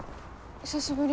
久しぶり。